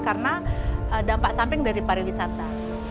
karena dampak samping dari pariwisata